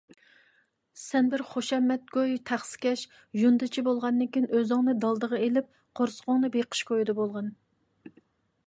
سەن بىر خۇشامەتگۇي - تەخسىكەش، يۇندىچى بولغاندىكىن ئۆزۈڭنى دالدىغا ئېلىپ قورسىقىڭنى بېقىش كويىدا بولغىن.